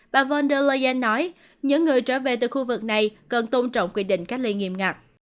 bà von der leyen nói những người trở về từ khu vực này cần tôn trọng quy định cách ly nghiêm ngặt